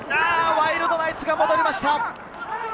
ワイルドナイツが戻りました。